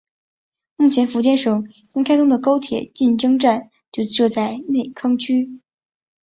目前福建省新开通的高铁晋江站就设在内坑镇。